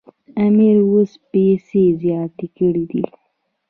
امیر اوس پیسې زیاتې کړي دي.